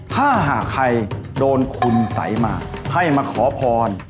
ถ้าหากใครโดนคุณสัยมาให้มาขอพร